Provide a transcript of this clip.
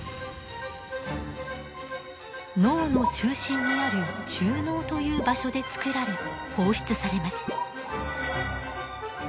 脳の中心にある中脳という場所で作られ放出されます。